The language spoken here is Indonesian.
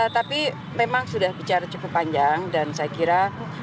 tapi memang sudah bicara cukup panjang dan saya kira